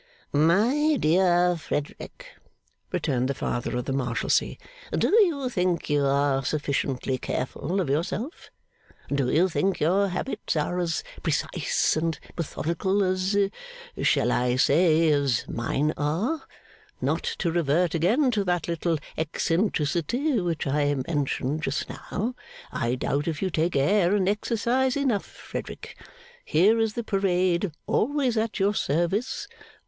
'My dear Frederick,' returned the Father of the Marshalsea, 'do you think you are sufficiently careful of yourself? Do you think your habits are as precise and methodical as shall I say as mine are? Not to revert again to that little eccentricity which I mentioned just now, I doubt if you take air and exercise enough, Frederick. Here is the parade, always at your service.